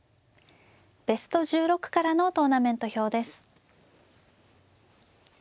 ベスト１６からのトーナメント表です。